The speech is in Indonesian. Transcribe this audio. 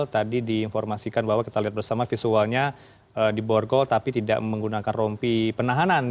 tadi diinformasikan bahwa kita lihat bersama visualnya di borgol tapi tidak menggunakan rompi penahanan